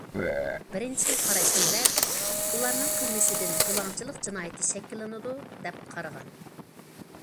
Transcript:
بىرىنچى خىل قاراشتىكىلەر: ئۇلارنىڭ قىلمىشىدىن بۇلاڭچىلىق جىنايىتى شەكىللىنىدۇ، دەپ قارىغان.